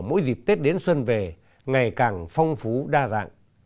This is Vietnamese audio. mỗi dịp tết đến xuân về ngày càng phong phú đa dạng